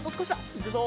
いくぞ！